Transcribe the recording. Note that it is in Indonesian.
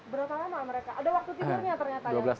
berapa lama mereka ada waktu tidurnya ternyata ya